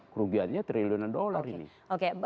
kerugiannya triliunan dollar ini